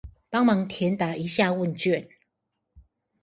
幫忙填答一下問卷